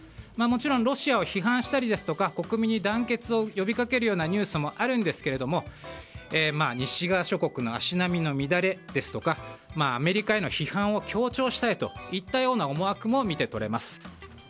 もちろんロシアを批判したりですとか国民に団結を呼びかけるニュースもあるんですが西側諸国の足並みの乱れですとかアメリカへの批判を強調したいといったような思惑も見て取れます。